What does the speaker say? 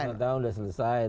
sudah tanda tangan sudah selesai